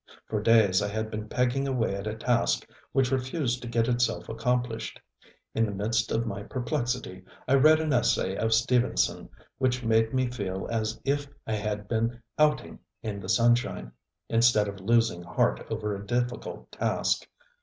For days I had been pegging away at a task which refused to get itself accomplished. In the midst of my perplexity I read an essay of Stevenson which made me feel as if I had been ŌĆ£outingŌĆØ in the sunshine, instead of losing heart over a difficult task.